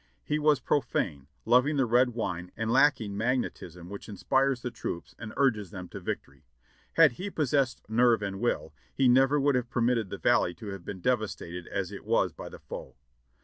He was profane, loving the red wine and lacking magnetism which inspires the troops and urges them to victory. Had he possessed nerve and will, he never would have permitted the Valley to have been devastated as it was by the foe.